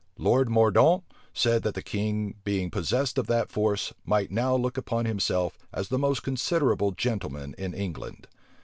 Lord Mordaunt said, that the king, being possessed of that force, might now look upon himself as the most considerable gentleman in England.